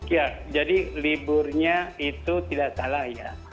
ya jadi liburnya itu tidak salah ya